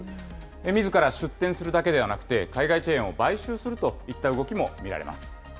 みずから出店するだけではなくて、海外チェーンを買収するといった動きも見られます。